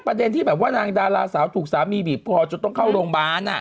ประเด็นที่แบบว่านางดาราสาวถูกสามีบีบพอจะต้องเข้าโรงบาลน่ะ